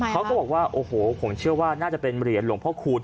เขาก็บอกว่าโอ้โหผมเชื่อว่าน่าจะเป็นเหรียญหลวงพ่อคูณ